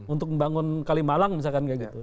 untuk membangun kalimalang misalkan kayak gitu